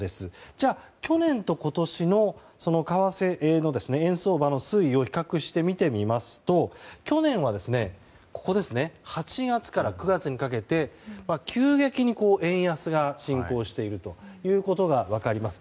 じゃあ、去年と今年の為替の円相場の推移を比較して見てみますと去年は８月から９月にかけて急激に円安が進行しているということが分かります。